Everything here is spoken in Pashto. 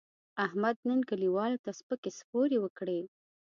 احمد نن کلیوالو ته سپکې سپورې وکړې.